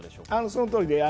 そのとおりです。